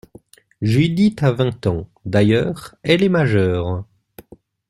Judith a vingt ans, d’ailleurs, elle est majeure.